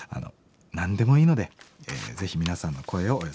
何でもいいのでぜひ皆さんの声をお寄せ下さい。